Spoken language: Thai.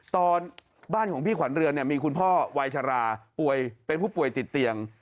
ตอนบ้านของพี่ขวัญเรือนเนี่ยมีคุณพ่อวัยชราป่วยเป็นผู้ป่วยติดเตียง